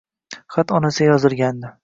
Xat onasiga yozilgandi